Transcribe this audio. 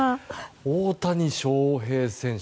大谷翔平選手